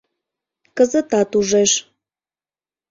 Кызытат ужеш.